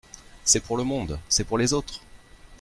C’est pour le monde, c’est pour les autres !